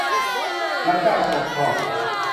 บร๊ะเจ้าโจ๊กชอบ